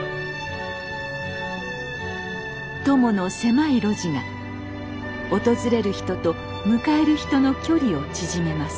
鞆の狭い路地が訪れる人と迎える人の距離を縮めます。